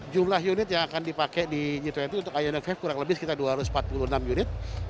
jumlah unit yang akan dipakai di g dua puluh untuk ion lima kurang lebih sekitar dua ratus empat puluh enam unit